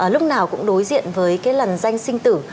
lúc nào cũng đối diện với cái lần danh sinh tử